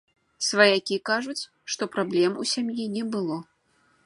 Сваякі кажуць, што праблем у сям'і не было.